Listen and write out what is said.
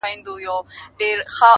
اوس هم زما د وجود ټوله پرهرونه وايي,